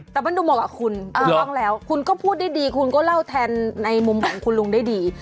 แต่มันดูเหมาะกับคุณถูกต้องแล้วคุณก็พูดได้ดีคุณก็เล่าแทนในมุมของคุณลุงได้ดี